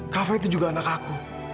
kafe itu juga anak aku